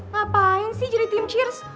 ngapain sih jadi tim cheers